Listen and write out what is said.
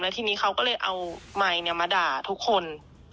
ทีนี้เขาก็เลยเอาไมค์มาด่าทุกคน